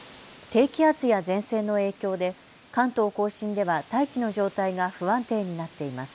低気圧や前線の影響で関東甲信では大気の状態が不安定になっています。